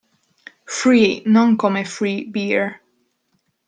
Free non come "free beer".